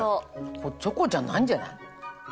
これチョコじゃないんじゃない？